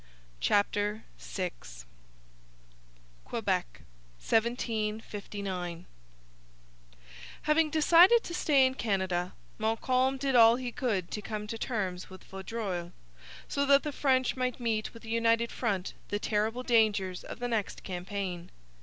CHAPTER VI QUEBEC 1759 Having decided to stay in Canada Montcalm did all he could to come to terms with Vaudreuil, so that the French might meet with a united front the terrible dangers of the next campaign.